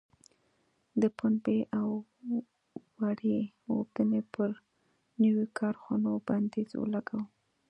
د پنبې او وړۍ اوبدنې پر نویو کارخونو بندیز ولګاوه.